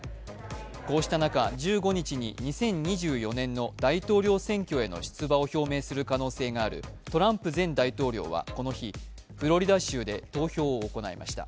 こうした中、１５日に２０２４年の大統領選挙への出馬を表明する可能性があるトランプ前大統領はこの日、フロリダ州で投票を行いました。